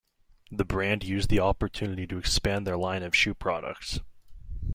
The brand used the opportunity to expand their line of shoe products.